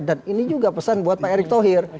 dan ini juga pesan buat pak erick thohir